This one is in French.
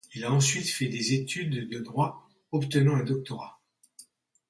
Il a ensuite fait des études de droit, obtenant un doctorat.